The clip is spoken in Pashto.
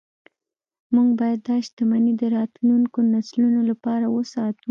موږ باید دا شتمني د راتلونکو نسلونو لپاره وساتو